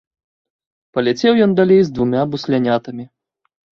Паляцеў ён далей з двума буслянятамі.